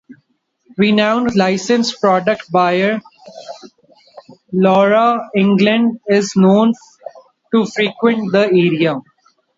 Renowned licensed product buyer, Laura England, is known to frequent the area.